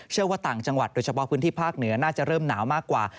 ว่าต่างจังหวัดโดยเฉพาะพื้นที่ภาคเหนือน่าจะเริ่มหนาวมากกว่า